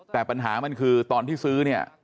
แต่ปัญหามันคือตอนที่ซื้อ